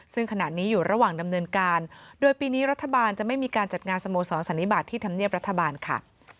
ซึ่งขณะนี้อยู่ระหว่างดำเนินการโดยปีนี้รัฐบาลจะไม่มีการจัดงานสโมสรสันนิบาทที่ธรรมเนียบรัฐบาลค่ะ